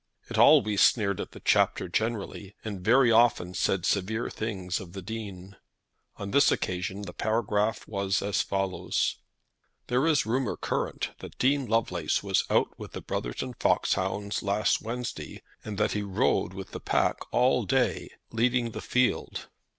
It always sneered at the Chapter generally, and very often said severe things of the Dean. On this occasion the paragraph was as follows; "There is a rumour current that Dean Lovelace was out with the Brotherton foxhounds last Wednesday, and that he rode with the pack all the day, leading the field.